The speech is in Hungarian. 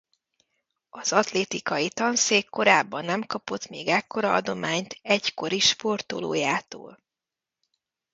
Az atlétikai tanszék korábban nem kapott még ekkorra adományt egykori sportolójától.